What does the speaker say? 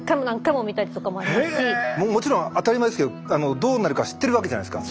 もちろん当たり前ですけどどうなるか知ってるわけじゃないですか。